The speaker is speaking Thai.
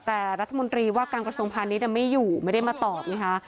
แต่รัฐมนตรีว่าการกระทรวงพาณิชย์ไม่อยู่ไม่ได้มาตอบไงคะ